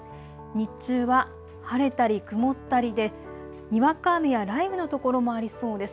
日中は晴れたり曇ったりでにわか雨や雷雨の所もありそうです。